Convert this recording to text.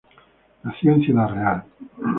Nació en Ciudad Real.